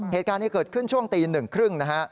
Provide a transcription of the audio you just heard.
เหตุการณ์นี้เกิดขึ้นช่วงตีหนึ่งครึ่งนะฮะ